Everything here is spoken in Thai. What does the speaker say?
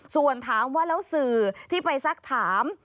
ส่วนถามว่าแล้วสื่อที่ไปสักถาม